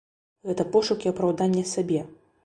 Гэта пошукі апраўдання сабе.